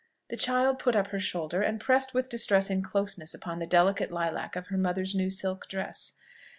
The child put up her shoulder, and pressed with distressing closeness upon the delicate lilac of her mother's new silk dress.